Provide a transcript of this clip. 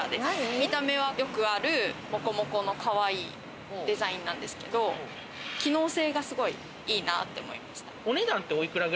見た目は良くあるモコモコのかわいいデザインなんですけど、機能性がすごいいいなって思いました。